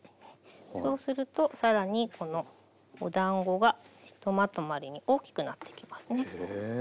そうすると更にこのおだんごがひとまとまりに大きくなっていきますね。